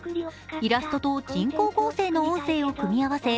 イラストと人工合成の音声を組み合わせ